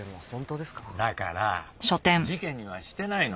だから事件にはしてないの。